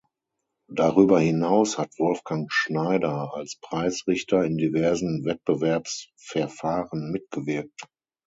Darüber hinaus hat Wolfgang Schneider als Preisrichter in diversen Wettbewerbsverfahren mitgewirkt.